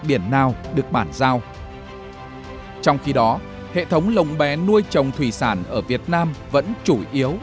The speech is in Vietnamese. biển nào được bản giao trong khi đó hệ thống lồng bé nuôi trồng thủy sản ở việt nam vẫn chủ yếu